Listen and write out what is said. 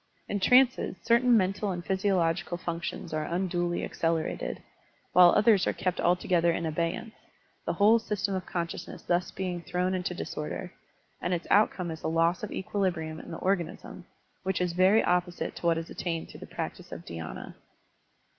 In trances certain mental and physiological functions are unduly accelerated, while others are kept altogether in abeyance, the whole system of consciousness thus being thrown into disorder; ^nd its outcome is the loss of equilibrium in th€ organism — ^which is very Digitized by Google 156 SERMONS OF A BUDDHIST ABBOT Opposite to what is attained through the practice of dhy^na.